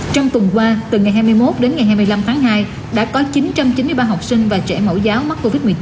trong tuần qua từ ngày hai mươi một đến ngày hai mươi năm tháng hai đã có chín trăm chín mươi ba học sinh và trẻ mẫu giáo mắc covid một mươi chín